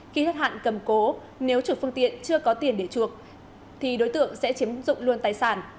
khi hết hạn cầm cố nếu chủ phương tiện chưa có tiền để chuộc thì đối tượng sẽ chiếm dụng luôn tài sản